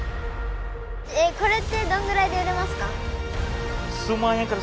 これってどんぐらいで売れますか？